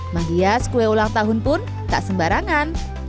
magias kue ulang tahun pun tak sembarangan